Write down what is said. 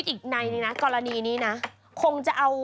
อยู่อีกในนี่นะกรณีเนี่ยนะ